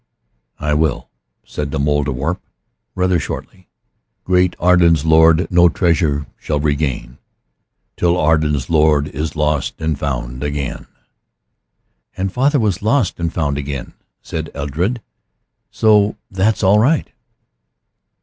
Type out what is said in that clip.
"I will," said the Mouldierwarp, rather shortly. "Great Arden's Lord no treasure shall regain Till Arden's Lord is lost and found again." "And father was lost and found again," said Edred, "so that's all right."